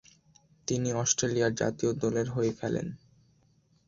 তিনি অস্ট্রেলিয়ার জাতীয় দলের হয়ে খেলেন।